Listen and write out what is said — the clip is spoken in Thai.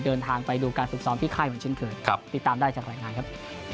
เดินทางไปดูการฝึกซ้อมที่ค่ายเหมือนเช่นเคยติดตามได้จากรายงานครับ